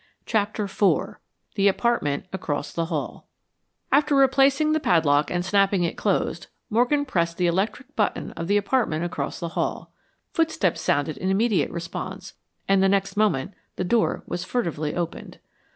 CHAPTER IV THE APARTMENT ACROSS THE HALL After replacing the padlock and snapping it closed, Morgan pressed the electric button of the apartment across the hall. Footsteps sounded in immediate response, and the next moment the door was furtively opened.